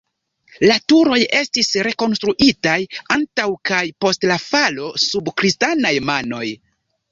La turoj estis rekonstruitaj, antaŭ kaj post la falo sub kristanaj manoj.